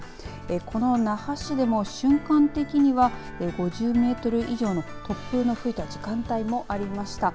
この那覇市でも瞬間的には５０メートル以上の突風の吹いた時間帯もありました。